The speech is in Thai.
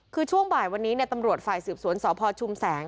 คือช่วงบ่ายวันนี้ตำรวจฝ่ายสืบสวนสพชุมแสง